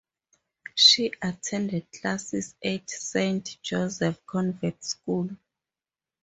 She attended classes at Saint Joseph Convent School.